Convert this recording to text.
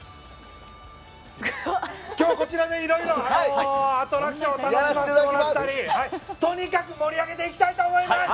今日こちらでいろいろアトラクションを楽しませてもらったりとにかく盛り上げていきたいと思います。